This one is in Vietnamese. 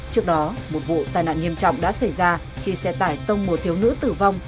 trước đó một vụ tai nạn nghiêm trọng đã xảy ra khi xe tải tông mùa thiếu nữ tử vong